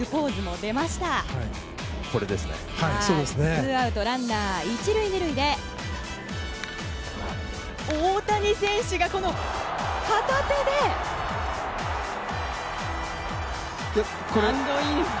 ツーアウトランナー１塁２塁で大谷選手が片手でスタンドイン！